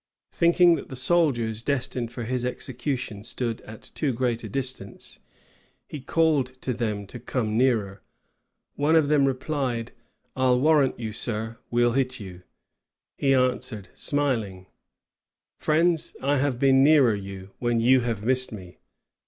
Thinking that the soldiers destined for his execution stood at too great a distance, he called to them to come nearer: one of them replied, "I'll warrant you, sir, we'll hit you:" he answered, smiling, "Friends, I have been nearer you, when you have missed me."